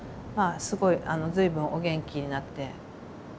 まあすごい随分お元気になって。